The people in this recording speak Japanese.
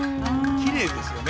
きれいですよね。